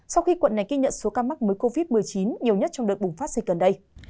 sau khi quận này ghi nhận số ca mắc mới covid một mươi chín nhiều nhất trong đợt bùng phát dịch gần đây